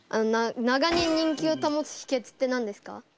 長年人気をたもつひけつって何ですか？